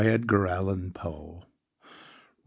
Edgar Allan Poe 762.